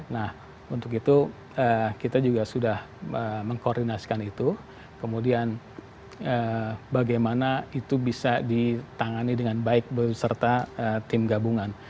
nah untuk itu kita juga sudah mengkoordinasikan itu kemudian bagaimana itu bisa ditangani dengan baik beserta tim gabungan